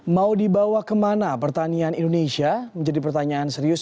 mau dibawa kemana pertanian indonesia menjadi pertanyaan serius